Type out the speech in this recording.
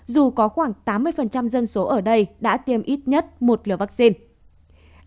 dù có khoảng tám mươi dân số ở đây đã tiêm ít nhất một liều vaccine